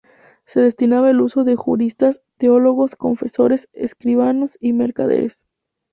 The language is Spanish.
Se destinaba al uso de juristas, teólogos, confesores, escribanos y mercaderes.